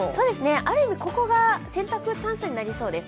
ある意味、ここが洗濯チャンスになりそうです。